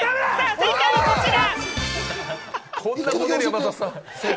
正解はこちら。